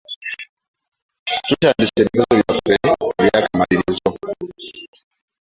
Tutandise ebigezo byaffe eby'akamalirizo.